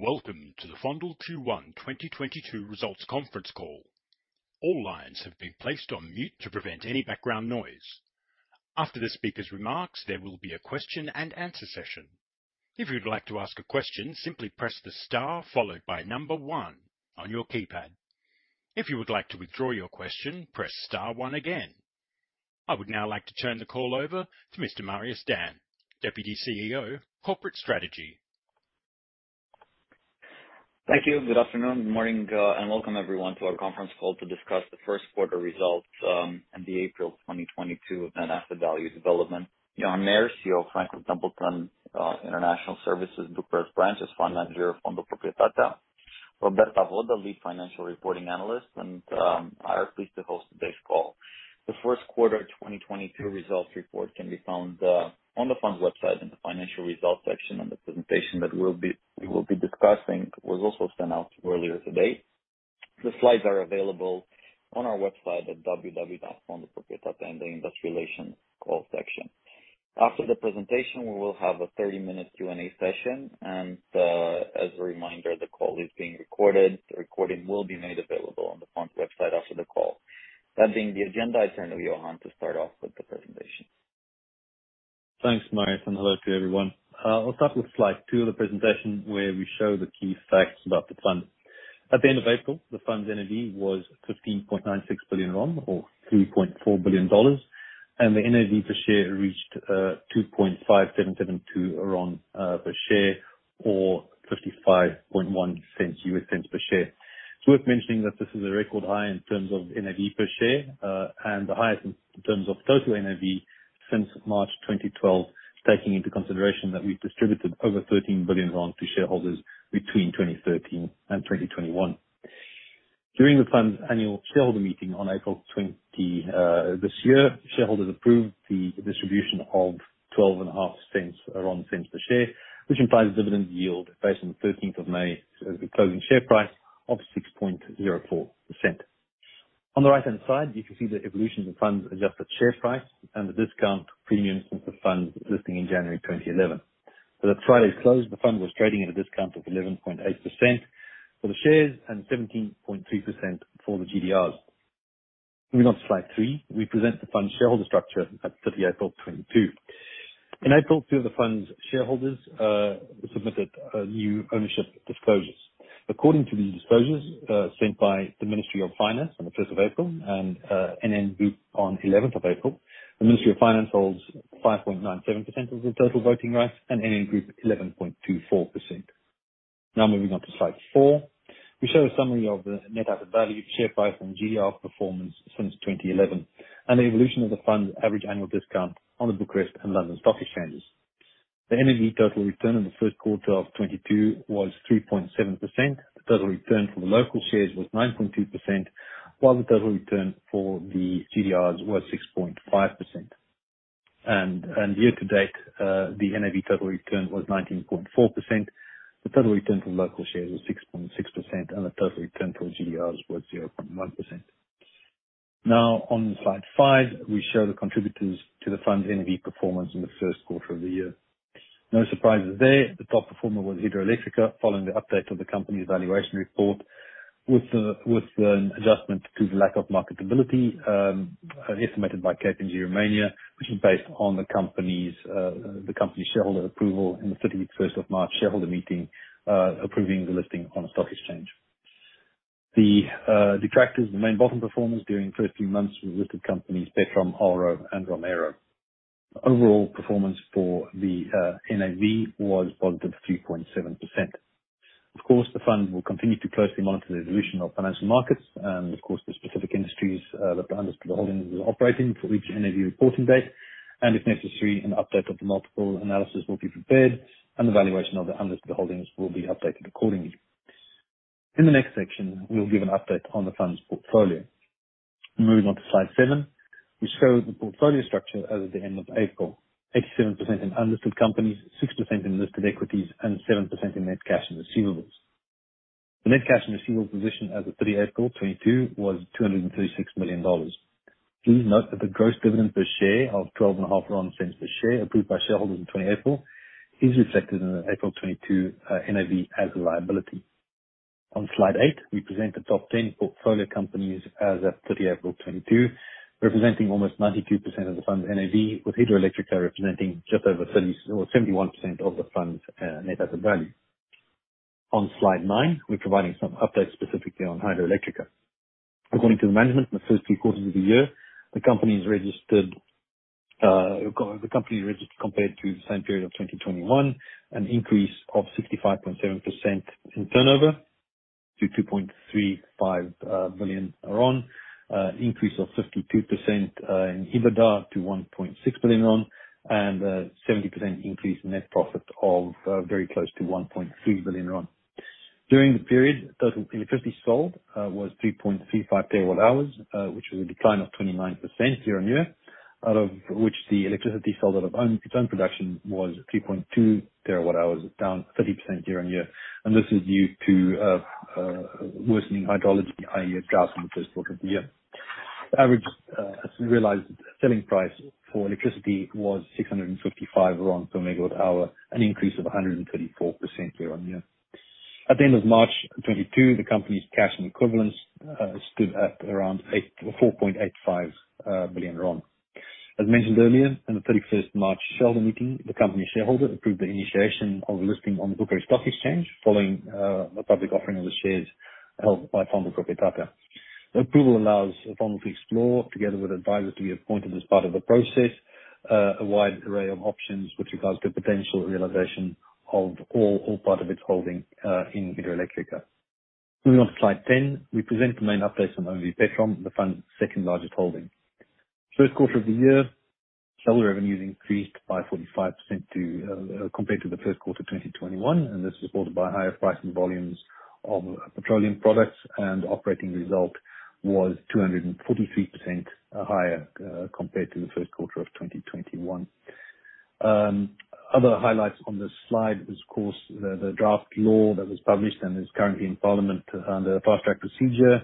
Welcome to the Fondul Q1 2022 results conference call. All lines have been placed on mute to prevent any background noise. After the speaker's remarks, there will be a question and answer session. If you'd like to ask a question, simply press the star followed by number one on your keypad. If you would like to withdraw your question, press star one again. I would now like to turn the call over to Mr. Marius Dan, Deputy CEO, Corporate Strategy. Thank you. Good afternoon, morning, and welcome everyone to our conference call to discuss the first quarter results and the April 2022 net asset value development. Johan Meyer, CEO of Franklin Templeton International Services, Bucharest Branch, as Fund Manager, Fondul Proprietatea. Roberta Voda, the Lead Financial Reporting Analyst, and I am pleased to host today's call. The first quarter 2022 results report can be found on the fund's website in the financial results section, and the presentation we will be discussing was also sent out earlier today. The slides are available on our website at www.fondulproprietatea.ro, in the investor relations call section. After the presentation, we will have a 30-minute Q&A session, and as a reminder, the call is being recorded. The recording will be made available on the fund's website after the call. That being the agenda, I turn to Johan to start off with the presentation. Thanks, Marius, and hello to everyone. I'll start with slide two of the presentation, where we show the key facts about the fund. At the end of April, the fund's NAV was RON 15.96 billion, or $3.4 billion, and the NAV per share reached RON 2.5772 per share, or $0.551 per share. It's worth mentioning that this is a record high in terms of NAV per share, and the highest in terms of total NAV since March 2012, taking into consideration that we've distributed over RON 13 billion to shareholders between 2013 and 2021. During the fund's Annual Shareholder Meeting on April 20 this year, shareholders approved the distribution of RON 0.125 per share, which implies dividend yield based on the 13th of May closing share price of 6.04%. On the right-hand side, you can see the evolution of the fund's adjusted share price and the discount premium since the fund listing in January 2011. For Friday's close, the fund was trading at a discount of 11.8% for the shares, and 17.3% for the GDRs. Moving on to slide three, we present the fund shareholder structure at 30th of April, 2022. In April, two of the fund's shareholders submitted a new ownership disclosures. According to these disclosures, sent by the Ministry of Finance on the 1st of April and NN Group on 11th of April, the Ministry of Finance holds 5.97% of the total voting rights, and NN Group, 11.24%. Now, moving on to slide four. We show a summary of the net asset value, share price, and GDR performance since 2011, and the evolution of the fund's average annual discount on the Bucharest and London stock exchanges. The NAV total return in the first quarter of 2022 was 3.7%. The total return for the local shares was 9.2%, while the total return for the GDRs was 6.5%. Year-to-date, the NAV total return was 19.4%, the total return from local shares was 6.6%, and the total return for GDRs was 0.1%. Now, on slide five, we show the contributors to the fund's NAV performance in the first quarter of the year. No surprises there. The top performer was Hidroelectrica, following the update of the company's valuation report with the adjustment to the lack of marketability estimated by KPMG Romania, which is based on the company's shareholder approval in the 31st of March shareholder meeting approving the listing on a stock exchange. The detractors, the main bottom performers during the first few months were listed companies Petrom, Alro, and Romaero. Overall performance for the NAV was +3.7%. Of course, the fund will continue to closely monitor the evolution of financial markets, and of course, the specific industries that the underlying holdings are operating in for each NAV reporting date. If necessary, an update of the multiple analysis will be prepared, and the valuation of the underlying holdings will be updated accordingly. In the next section, we'll give an update on the fund's portfolio. Moving on to slide seven, we show the portfolio structure as of the end of April. 87% in unlisted companies, 6% in listed equities, and 7% in net cash and receivables. The net cash and receivables position as of 30th April 2022 was $236 million. Please note that the gross dividend per share of RON 0.125 per share, approved by shareholders on 20 April 2022, is reflected in the April 2022 NAV as a liability. On slide eight, we present the top 10 portfolio companies as at 30 April 2022, representing almost 92% of the fund's NAV, with Hidroelectrica representing just over 71% of the fund's net asset value. On slide nine, we're providing some updates specifically on Hidroelectrica. According to the management, in the first three quarters of the year, the company registered compared to the same period of 2021, an increase of 65.7% in turnover to RON 2.35 million, an increase of 52% in EBITDA to RON 1.6 billion, and 70% increase in net profit of very close to RON 1.3 billion. During the period, total electricity sold was 3.35 TWh, which was a decline of 29% year-on-year, out of which the electricity sold out of its own production was 3.2 TWh, down 30% year-on-year, and this is due to worsening hydrology, i.e. drought in the first quarter of the year. The average, as we realized, selling price for electricity was RON 655 per MWh, an increase of 134% year-on-year. At the end of March 2022, the company's cash and equivalents stood at around RON 4.85 billion. As mentioned earlier, on the 31st March shareholder meeting, the company shareholder approved the initiation of listing on the Bucharest Stock Exchange following a public offering of the shares held by Fondul Proprietatea. The approval allows the fund to explore, together with advisors to be appointed as part of the process, a wide array of options with regards to potential realization of all part of its holding in Hidroelectrica. Moving on to slide 10, we present the main updates from OMV Petrom, the fund's second largest holding. First quarter of the year, total revenues increased by 45% to compared to the first quarter of 2021, and this is brought about by higher price and volumes of petroleum products, and operating result was 243% higher compared to the first quarter of 2021. Other highlights on this slide is of course the draft law that was published and is currently in parliament under a fast track procedure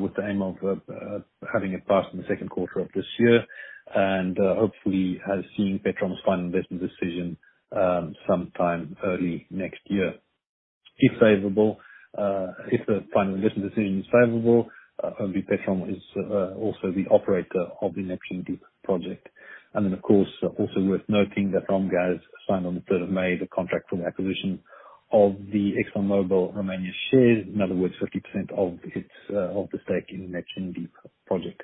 with the aim of having it passed in the second quarter of this year, and hopefully has seen Petrom's final investment decision sometime early next year. If favorable, if the final investment decision is favorable, OMV Petrom is also the operator of the Neptun Deep project. Then of course, also worth noting that Romgaz signed on the 3rd of May, the contract for the acquisition of the ExxonMobil Romania shares, in other words, 50% of its stake in Neptun Deep project.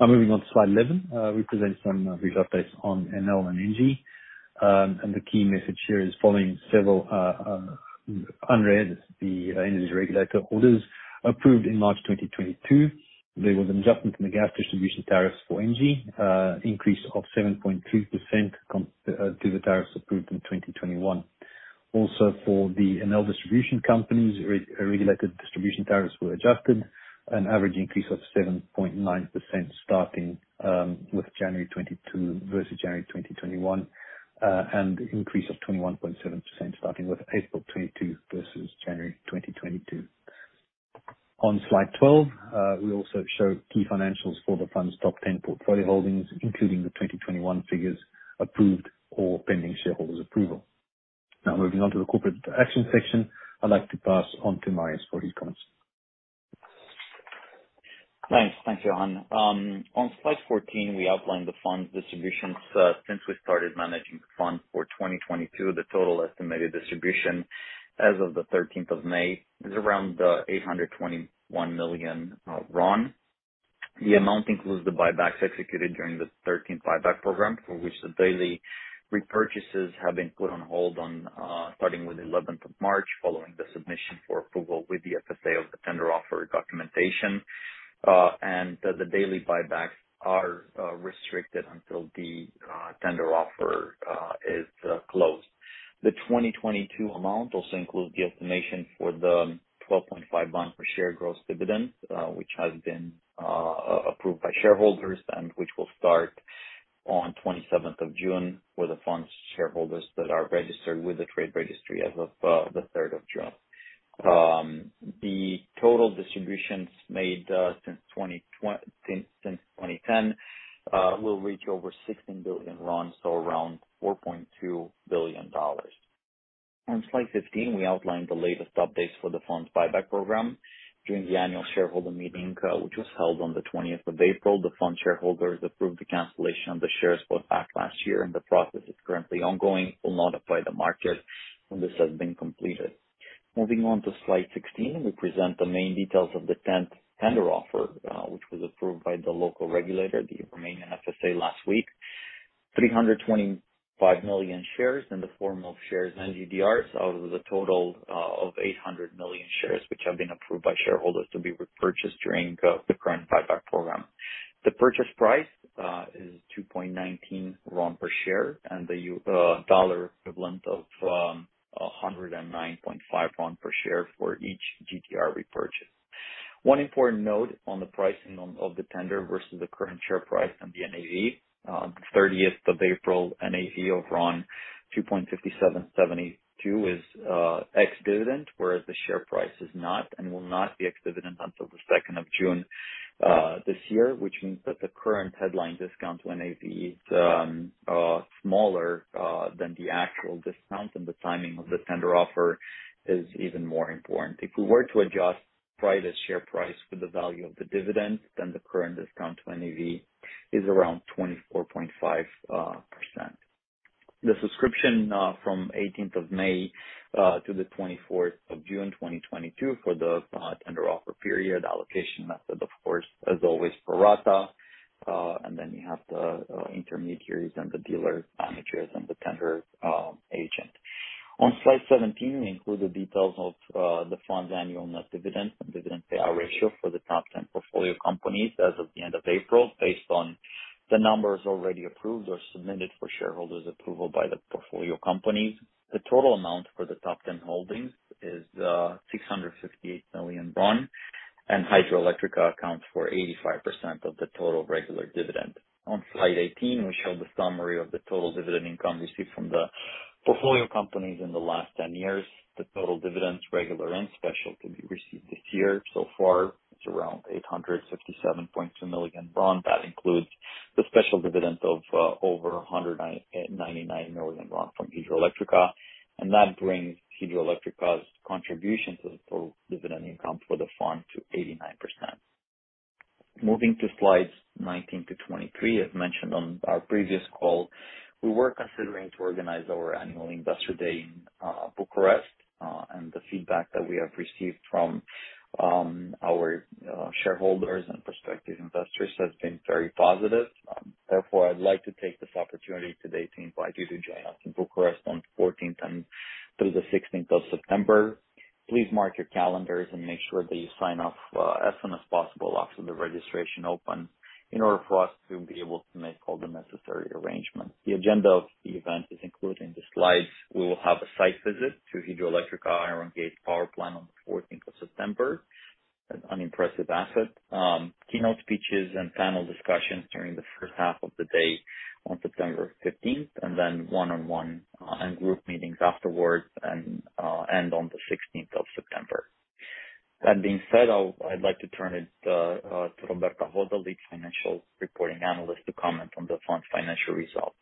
Now moving on to slide 11, we present some updates on Enel and ENGIE. The key message here is following several ANRE, the energy regulator orders, approved in March 2022. There was an adjustment in the gas distribution tariffs for ENGIE, increase of 7.3% to the tariffs approved in 2021. Also, for the Enel distribution companies, regulated distribution tariffs were adjusted, an average increase of 7.9% starting with January 2022 versus January 2021, and increase of 21.7% starting with April 2022 versus January 2022. On slide 12, we also show key financials for the fund's top 10 portfolio holdings, including the 2021 figures approved or pending shareholders' approval. Now, moving on to the corporate action section, I'd like to pass on to Marius for his comments. Thanks. Thank you, Johan. On slide 14, we outlined the fund's distributions since we started managing the fund for 2022. The total estimated distribution as of the 13th of May is around RON 821 million. The amount includes the buybacks executed during the 13th buyback program, for which the daily repurchases have been put on hold starting with the 11th of March, following the submission for approval with the FSA of the tender offer documentation. The daily buybacks are restricted until the tender offer is closed. The 2022 amount also includes the estimation for the RON 12.5 per share gross dividend, which has been approved by shareholders and which will start on 27th of June for the fund's shareholders that are registered with the trade registry as of the 3rd of June. The total distributions made since 2010 will reach over RON 16 billion, so around $4.2 billion. On slide 15, we outline the latest updates for the fund's buyback program. During the Annual Shareholder Meeting, which was held on the 20th of April, the fund shareholders approved the cancellation of the shares bought back last year, and the process is currently ongoing. We'll notify the market when this has been completed. Moving on to slide 16, we present the main details of the 10th tender offer, which was approved by the local regulator, the Romanian FSA, last week. 325 million shares in the form of shares and GDRs out of the total of 800 million shares, which have been approved by shareholders to be repurchased during the current buyback program. The purchase price is RON 2.19 per share, and the dollar equivalent of RON 109.5 per share for each GDR repurchase. One important note on the pricing of the tender versus the current share price and the NAV. The 30th of April, NAV of RON 2.5772 is ex-dividend, whereas the share price is not and will not be ex-dividend until the 2nd of June this year, which means that the current headline discount to NAV is smaller than the actual discount, and the timing of the tender offer is even more important. If we were to adjust share price for the value of the dividend, then the current discount to NAV is around 24.5%. The subscription from 18th of May to the 24th of June 2022 for the tender offer period. Allocation method, of course, as always, pro rata, and then you have the intermediaries and the dealers, managers and the tender agent. On slide 17, we include the details of the fund's annual net dividend and dividend payout ratio for the top 10 portfolio companies as of the end of April, based on the numbers already approved or submitted for shareholders' approval by the portfolio companies. The total amount for the top 10 holdings is RON 658 million, and Hidroelectrica accounts for 85% of the total regular dividend. On slide 18, we show the summary of the total dividend income received from the portfolio companies in the last 10 years, the total dividends, regular and special, to be received this year so far it's around RON 857.2 million. That includes the special dividend of over RON 199 million from Hidroelectrica, and that brings Hidroelectrica's contribution to the total dividend income for the fund to 89%. Moving to slides 19 to 23, as mentioned on our previous call, we were considering to organize our Annual Investor Day in Bucharest, and the feedback that we have received from our shareholders and prospective investors has been very positive. Therefore, I'd like to take this opportunity today to invite you to join us in Bucharest on 14th and through the 16th of September. Please mark your calendars and make sure that you sign up as soon as possible after the registration opens in order for us to be able to make all the necessary arrangements. The agenda of the event is included in the slides. We will have a site visit to Hidroelectrica Iron Gate Power Plant on the 14th of September, an impressive asset. Keynote speeches and panel discussions during the first half of the day on September 15th, and then one-on-one and group meetings afterwards and end on the 16th of September. That being said, I'd like to turn it to Roberta Voda, Lead Financial Reporting Analyst, to comment on the fund's financial results.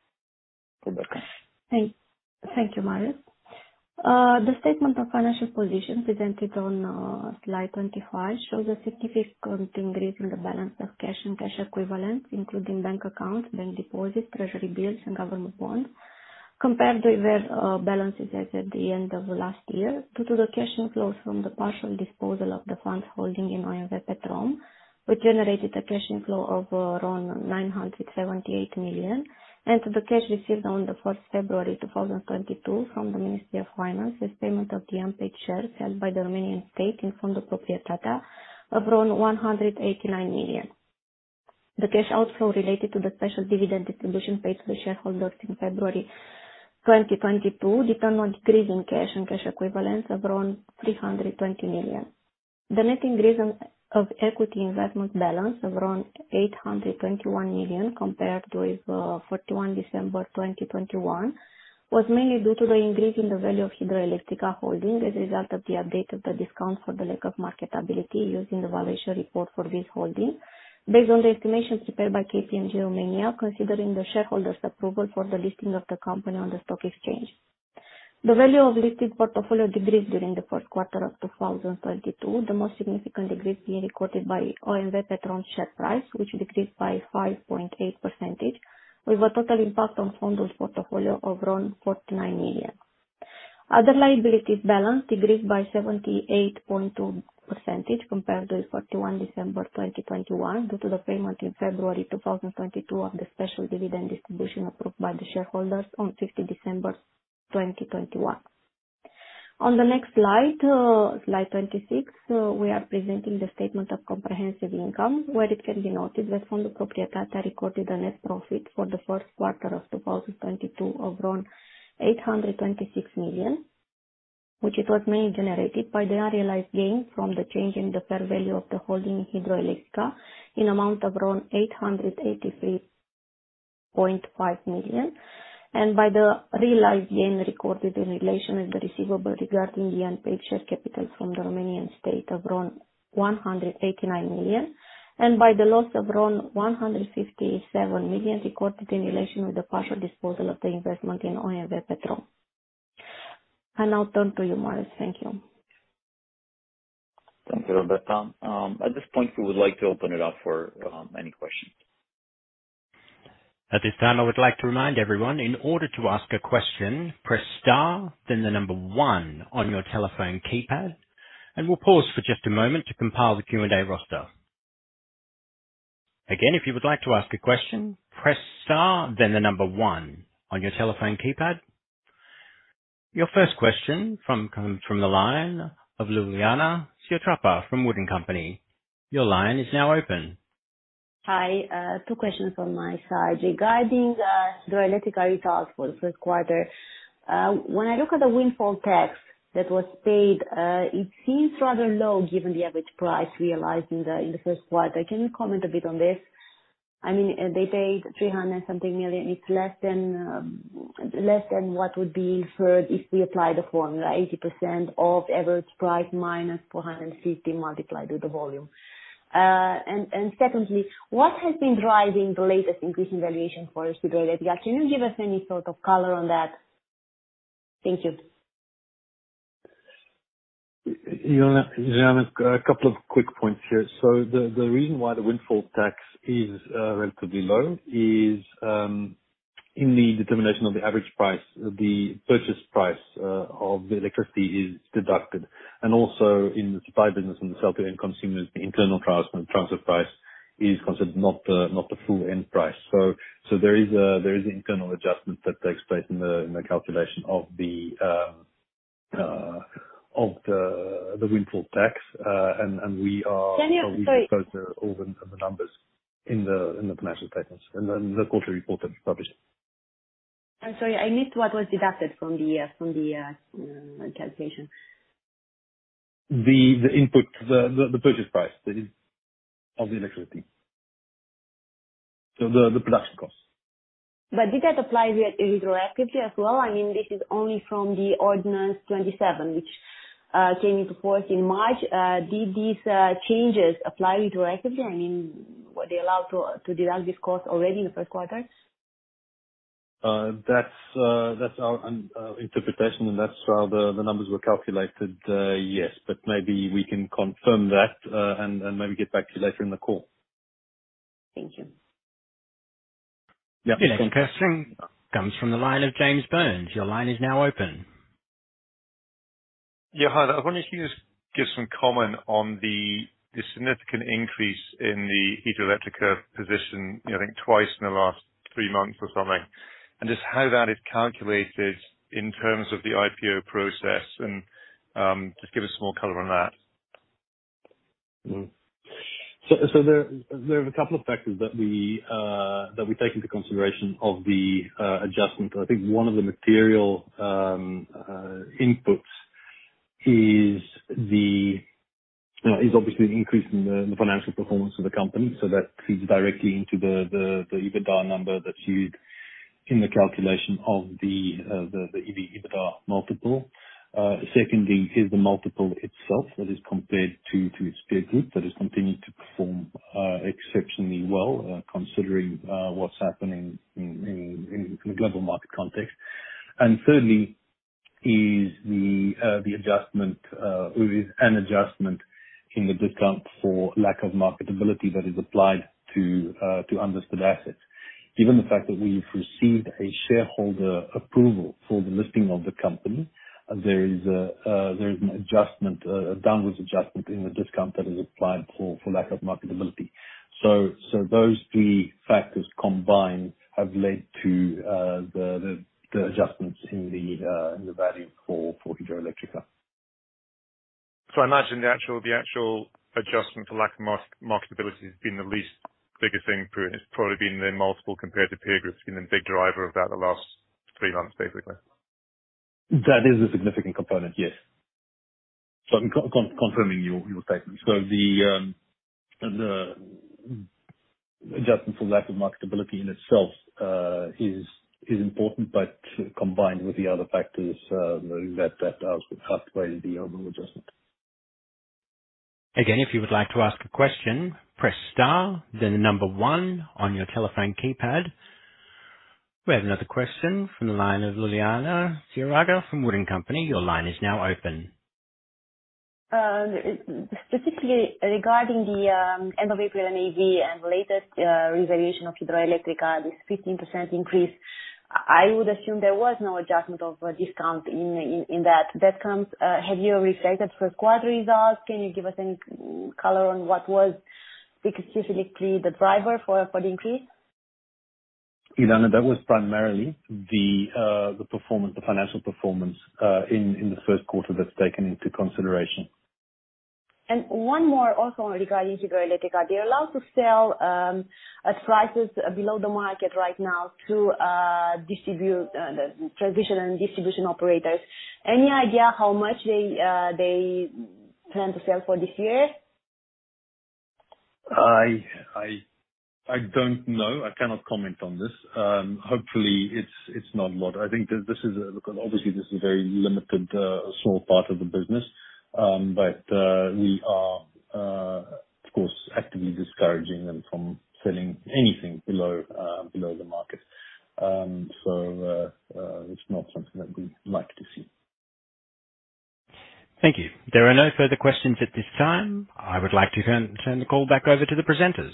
Roberta? Thank you, Marius. The statement of financial position presented on slide 25 shows a significant increase in the balance of cash and cash equivalents, including bank accounts and deposits, treasury bills, and government bonds compared to their balances as at the end of last year due to the cash inflows from the partial disposal of the fund's holding in OMV Petrom, which generated a cash inflow of around RON 978 million, and to the cash received on 1st February 2022 from the Ministry of Finance as payment of the unpaid shares held by the Romanian state in Fondul Proprietatea of around RON 189 million. The cash outflow related to the special dividend distribution paid to the shareholders in February 2022 determined decrease in cash and cash equivalents of around RON 320 million. The net increase in equity investment balance of around RON 821 million compared with 31 December 2021 was mainly due to the increase in the value of Hidroelectrica holding as a result of the update of the discount for lack of marketability using the valuation report for this holding. Based on the estimations prepared by KPMG Romania, considering the shareholders' approval for the listing of the company on the stock exchange. The value of listed portfolio decreased during the first quarter of 2022. The most significant decrease being recorded by OMV Petrom share price, which decreased by 5.8%, with a total impact on fund's portfolio of around RON 49 million. Other liabilities balance decreased by 78.2% compared to 31 December 2021, due to the payment in February 2022 of the special dividend distribution approved by the shareholders on 31 December 2021. On the next slide 26, we are presenting the statement of comprehensive income, where it can be noted that Fondul Proprietatea recorded a net profit for the first quarter of 2022 of around RON 826 million, which it was mainly generated by the unrealized gain from the change in the fair value of the holding Hidroelectrica in amount of around RON 883.5 million. By the realized gain recorded in relation with the receivable regarding the unpaid share capital from the Romanian state of around RON 189 million. By the loss of around RON 157 million recorded in relation with the partial disposal of the investment in OMV Petrom. I'll turn to you, Marius. Thank you. Thank you, Roberta. At this point, we would like to open it up for any questions. At this time, I would like to remind everyone, in order to ask a question, press star, then the number one on your telephone keypad, and we'll pause for just a moment to compile the Q&A roster. Again, if you would like to ask a question, press star, then the number one on your telephone keypad. Your first question comes from the line of Iuliana Ciopraga from WOOD & Company. Your line is now open. Hi. Two questions from my side regarding the analytical results for the first quarter. When I look at the windfall tax that was paid, it seems rather low given the average price realized in the first quarter. Can you comment a bit on this? I mean, they paid RON 300-something million. It's less than what would be here if we apply the formula, 80% of average price minus RON 450 multiplied with the volume. Secondly, what has been driving the latest increase in valuation for us today? Like, can you give us any sort of color on that? Thank you. Iuliana, a couple of quick points here. The reason why the windfall tax is relatively low is in the determination of the average price, the purchase price of the electricity is deducted. Also, in the supply business, on the sale to end consumers, the internal transfer price is considered not the full end price. There is internal adjustment that takes place in the calculation of the windfall tax. And we are. Can you? Sorry. We disclose all the numbers in the financial statements and then the quarterly report that we publish. I'm sorry. I missed what was deducted from the calculation. The purchase price that is of the electricity. The production costs. Did that apply retroactively as well? I mean, this is only from the Ordinance 27, which came into force in March. Did these changes apply retroactively? I mean, were they allowed to deduct this cost already in the first quarter? That's our interpretation and that's how the numbers were calculated, yes. Maybe we can confirm that, and maybe get back to you later in the call. Thank you. Yeah. The next question comes from the line of [James Burns]. Your line is now open. Johan, I wonder if you could just give some comment on the significant increase in the Hidroelectrica position, you know, I think twice in the last three months or something, and just how that is calculated in terms of the IPO process and just give us some more color on that. There are a couple of factors that we take into consideration of the adjustment. I think one of the material inputs is obviously an increase in the financial performance of the company, so that feeds directly into the EBITDA number that's used in the calculation of the EBITDA multiple. Secondly is the multiple itself that is compared to its peer group, that has continued to perform exceptionally well, considering what's happening in the global market context. Thirdly is the adjustment, or is an adjustment in the discount for lack of marketability that is applied to unlisted assets. Given the fact that we've received a shareholder approval for the listing of the company, there is an adjustment, a downwards adjustment in the discount that is applied for lack of marketability. Those three factors combined have led to the adjustments in the value for Hidroelectrica. I imagine the actual adjustment for lack of marketability has been the least biggest thing for you. It's probably been the multiple compared to peer group has been the big driver of that the last three months, basically. That is a significant component, yes. I'm confirming your statement. The adjustment for lack of marketability in itself is important, but combined with the other factors, then that helps to pave the way for the overall adjustment. Again, if you would like to ask a question, press star then number one on your telephone keypad. We have another question from the line of Iuliana Ciopraga from WOOD & Company. Your line is now open. Specifically regarding the end of April NAV and latest revaluation of Hidroelectrica, this 15% increase, I would assume there was no adjustment of a discount in that. Have you reflected the Q4 results? Can you give us any color on what was specifically the driver for the increase? Iuliana, that was primarily the performance, the financial performance in the first quarter that's taken into consideration. One more also regarding Hidroelectrica. They're allowed to sell at prices below the market right now to distribute the transmission and distribution operators. Any idea how much they plan to sell for this year? I don't know. I cannot comment on this. Hopefully it's not a lot. I think this is, look, obviously this is a very limited, small part of the business. We are, of course actively discouraging them from selling anything below the market. It's not something that we'd like to see. Thank you. There are no further questions at this time. I would like to turn the call back over to the presenters.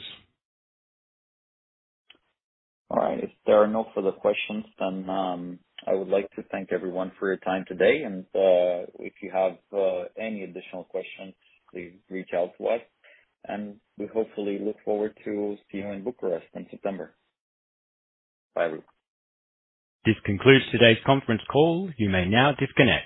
All right. If there are no further questions, then, I would like to thank everyone for your time today. If you have any additional questions, please reach out to us. We hopefully look forward to seeing you in Bucharest in September. Bye bye. This concludes today's conference call. You may now disconnect.